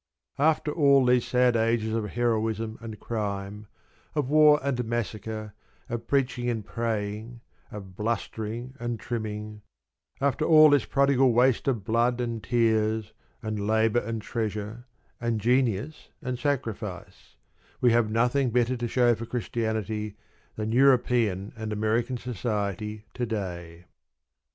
After all these sad ages of heroism and crime, of war and massacre, of preaching and praying, of blustering and trimming; after all this prodigal waste of blood and tears, and labour and treasure, and genius and sacrifice, we have nothing better to show for Christianity than European and American Society to day.